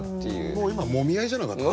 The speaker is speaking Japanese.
もう今もみ合いじゃなかった？